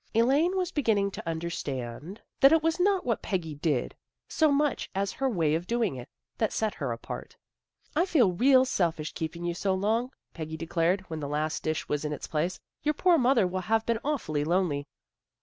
Elaine was beginning to understand 66 THE GIRLS OF FRIENDLY TERRACE that it was not what Peggy did, so much as her way of doing it, that set her apart. " I feel real selfish keeping you so long," Peggy declared, when the last dish was in its place. " Your poor mother will have been aw fully lonely."